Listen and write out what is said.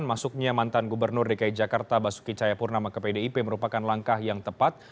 masuknya mantan gubernur dki jakarta basuki cayapurnama ke pdip merupakan langkah yang tepat